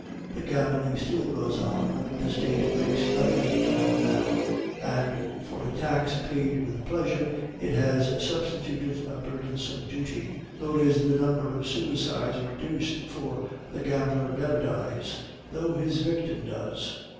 The gambling still goes on, only the State makes nothing from it now; and for a tax paid with pleasure, it has substituted a burdensome duty. Nor is the number of suicides reduced, for the gambler never dies, though his victim does."